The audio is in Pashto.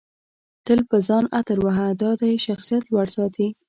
تل په ځان عطر وهه دادی شخصیت لوړ ساتي